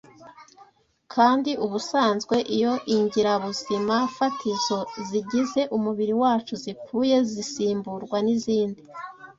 kandi ubusanzwe iyo ingirabuzimafatizo zigize umubiri wacu zipfuye, zisimburwa n’izindi